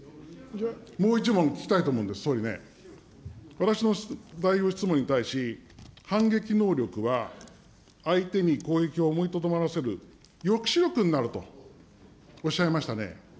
もう１問、聞きたいと思うんです、総理ね、私の代表質問に対し、反撃能力は相手に攻撃を思いとどまらせる抑止力になるとおっしゃいましたね。